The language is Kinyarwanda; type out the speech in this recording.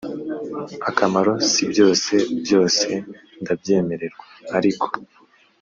akamaro si byose byose ndabyemererwa ariko